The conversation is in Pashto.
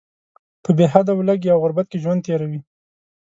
په بې حده ولږې او غربت کې ژوند تیروي.